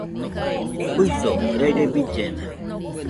Juido, raɨre billena